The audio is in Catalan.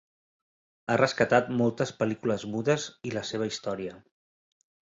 Ha rescatat moltes pel·lícules mudes i la seva història.